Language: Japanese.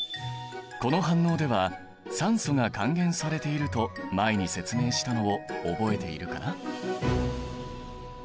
この反応では酸素が還元されていると前に説明したのを覚えているかな？